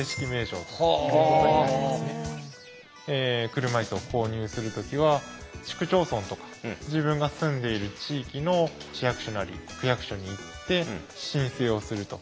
車いすを購入する時は市区町村とか自分が住んでいる地域の市役所なり区役所に行って申請をすると。